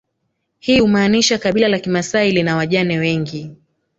Hii humaanisha kabila la kimasai lina wajane wengi